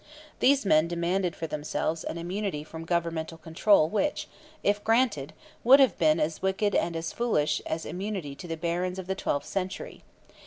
These men demanded for themselves an immunity from governmental control which, if granted, would have been as wicked and as foolish as immunity to the barons of the twelfth century.